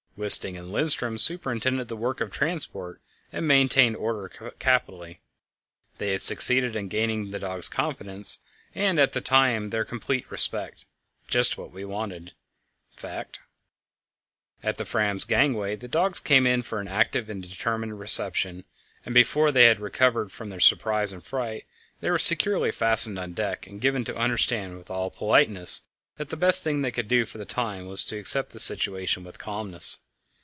Wisting and Lindström superintended the work of transport, and maintained order capitally. They had succeeded in gaining the dogs' confidence, and at the same time their complete respect just what was wanted, in fact. At the Fram's gangway the dogs came in for an active and determined reception, and before they had recovered from their surprise and fright, they were securely fastened on deck and given to understand with all politeness that the best thing they could do for the time being was to accept the situation with calmness.